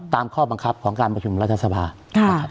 ตามข้อบังคับของการบัคคุมรัฐธรรมภาคม